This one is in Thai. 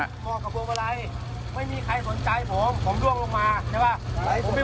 เหมาะกับพวงมาลัยไม่มีใครสนใจผมผมร่วงลงมาใช่ป่ะ